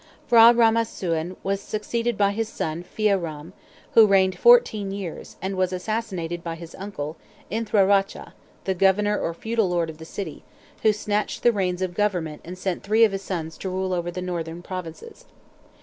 P'hra Rama Suen was succeeded by his son Phya Ram, who reigned fourteen years, and was assassinated by his uncle, Inthra Racha, the governor or feudal lord of the city, who had snatched the reins of government and sent three of his sons to rule over the northern provinces.